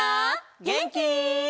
げんき？